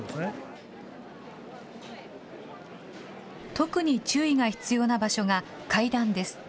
特に注意が必要な場所が階段です。